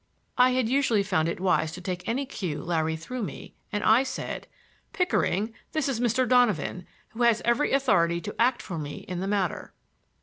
I had usually found it wise to take any cue Larry threw me, and I said: "Pickering, this is Mr. Donovan, who has every authority to act for me in the matter."